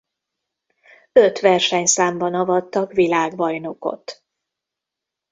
Öt versenyszámban avattak világbajnokot.